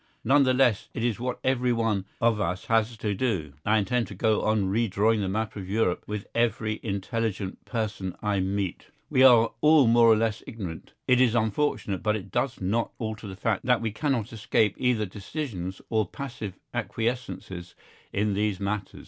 None the less it is what everyone of us has to do. I intend to go on redrawing the map of Europe with every intelligent person I meet. We are all more or less ignorant; it is unfortunate but it does not alter the fact that we cannot escape either decisions or passive acquiescences in these matters.